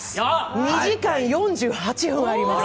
２時間４８分あります。